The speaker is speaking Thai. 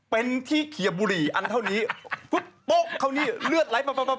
เป็นที่เคียบบุหรี่อันเท่านี้ปุ๊บปุ๊บเข้านี่เลือดไหลปุ๊บปุ๊บปุ๊บ